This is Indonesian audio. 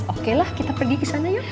okelah kita pergi kesana yuk